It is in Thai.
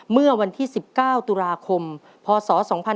เมื่อวันที่๑๙ตุลาคมพศ๒๕๖๒